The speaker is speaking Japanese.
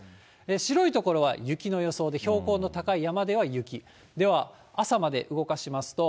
白い所は雪の予想で、標高の高い山では雪、では朝まで動かします